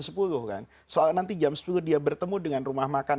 soalnya nanti jam sepuluh dia bertemu dengan rumah makan